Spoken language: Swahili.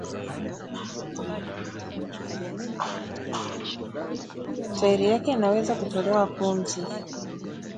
tairi yake inaweza kutolewa pumzi